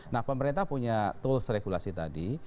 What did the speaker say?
nah pemerintah punya tools regulasi tadi